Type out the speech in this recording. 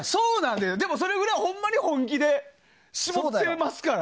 でもそれぐらいほんまに本気で絞ってますから。